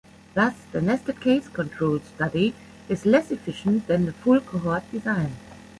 Thus the nested case control study is less efficient than the full cohort design.